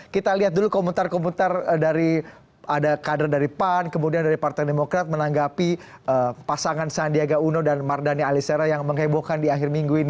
kita lihat dulu komentar komentar dari ada kader dari pan kemudian dari partai demokrat menanggapi pasangan sandiaga uno dan mardhani alisera yang menghebohkan di akhir minggu ini